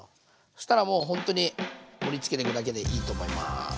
そしたらもうほんとに盛りつけていくだけでいいと思います。